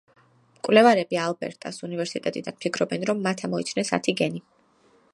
მკვლევარები ალბერტას უნივერსიტეტიდან ფიქრობენ, რომ მათ ამოიცნეს ათი გენი.